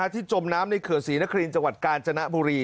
จมน้ำในเขื่อนศรีนครินจังหวัดกาญจนบุรี